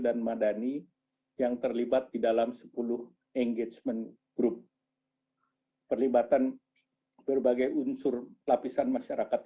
dan madani yang terlibat di dalam sepuluh engagement group perlibatan berbagai unsur lapisan masyarakat